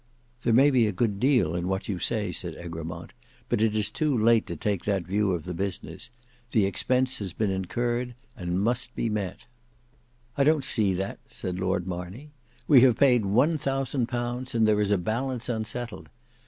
"There may be a good deal in what you say," said Egremont; "but it is too late to take that view of the business. The expense has been incurred and must be met." "I don't see that," said Lord Marney, "we have paid one thousand pounds and there is a balance unsettled.